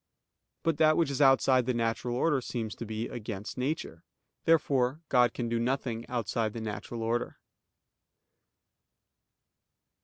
But that which is outside the natural order seems to be against nature. Therefore God can do nothing outside the natural order.